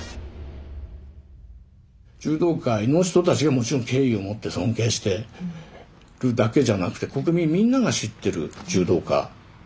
柔道界の人たちがもちろん敬意を持って尊敬してるだけじゃなくて国民みんなが知ってる柔道家ですよ。